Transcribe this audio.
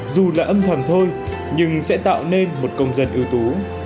dù là âm thầm thôi nhưng sẽ tạo nên một công dân ưu tú